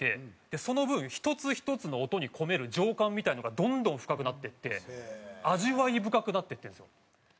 その分１つ１つの音に込める情感みたいなのがどんどん深くなっていって味わい深くなっていってるんですよ。